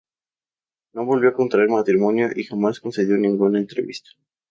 No volvió a contraer matrimonio y jamás concedió ninguna entrevista.